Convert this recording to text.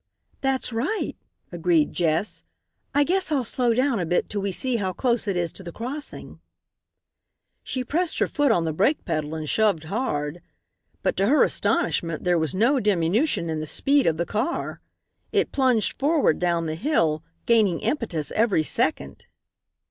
"That's right," agreed Jess. "I guess I'll slow down a bit till we see how close it is to the crossing." She pressed her foot on the brake pedal and shoved hard. But to her astonishment there was no diminution in the speed of the car. It plunged forward down the hill, gaining impetus every second.